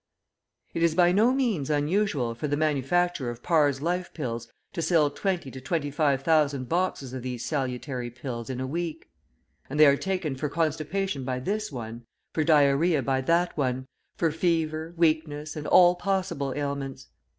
It is by no means unusual for the manufacturer of Parr's Life Pills to sell twenty to twenty five thousand boxes of these salutary pills in a week, and they are taken for constipation by this one, for diarrhoea by that one, for fever, weakness, and all possible ailments.